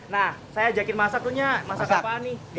nah saya ajakin masak tuh nyak masak apaan nih